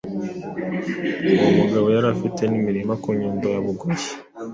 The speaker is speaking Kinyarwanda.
Uwo mugabo yari afite n'imirima ku Nyundo ya Bugoyi.